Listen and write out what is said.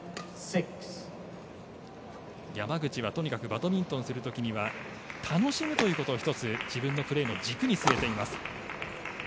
山口は、とにかくバドミントンをする時には楽しむということを１つ自分のプレーの軸に据えています。